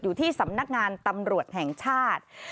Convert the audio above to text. อยู่ที่สำนักงานตำรวจแห่งชาติ